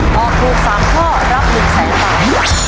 ตอบถูก๓ข้อรับ๑แสนบาท